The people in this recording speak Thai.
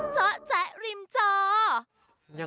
เจ้าแจ๊ะริมเจ้า